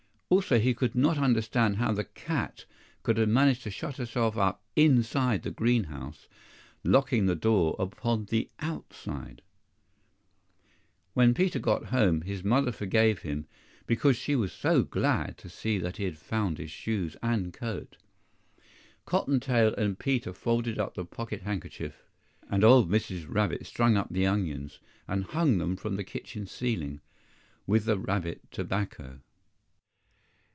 Also he could not understand how the cat could have managed to shut herself up INSIDE the green house, locking the door upon the OUTSIDE. WHEN Peter got home, his mother forgave him, because she was so glad to see that he had found his shoes and coat. Cotton tail and Peter folded up the pocket handkerchief, and old Mrs. Rabbit strung up the onions and hung them from the kitchen ceiling, with the rabbit tobacco.